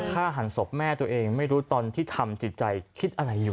ฆ่าหันศพแม่ตัวเองไม่รู้ตอนที่ทำจิตใจคิดอะไรอยู่